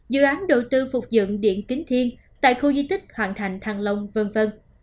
dự án đầu tư phục dựng điện kính thiên tại khu di tích hoàng thành thăng long v v